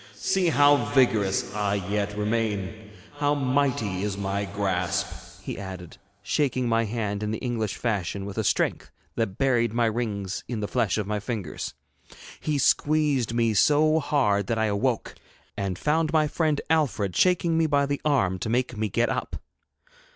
'See how vigorous I yet remain, and how mighty is my grasp,' he added, shaking my hand in the English fashion with a strength that buried my rings in the flesh of my fingers. He squeezed me so hard that I awoke, and found my friend Alfred shaking me by the arm to make me get up.